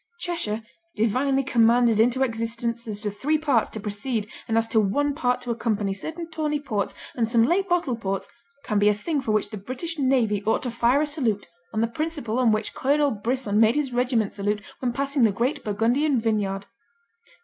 Cheshire, divinely commanded into existence as to three parts to precede and as to one part to accompany certain Tawny Ports and some Late Bottled Ports, can be a thing for which the British Navy ought to fire a salute on the principle on which Colonel Brisson made his regiment salute when passing the great Burgundian vineyard.